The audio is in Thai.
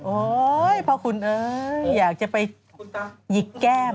โอ้ยพ่อขุนเอ๋ยอยากจะไปหยิกแก้ม